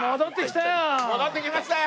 戻ってきましたよ！